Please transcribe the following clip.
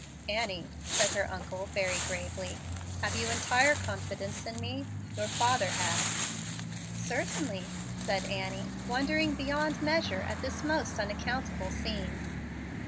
"Annie," said her uncle, very gravely, "have you entire confidence in me? Your father had." "Certainly," said Annie, wondering beyond measure at this most unaccountable scene.